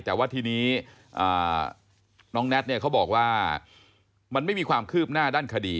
แต่ว่าทีนี้น้องแน็ตเนี่ยเขาบอกว่ามันไม่มีความคืบหน้าด้านคดี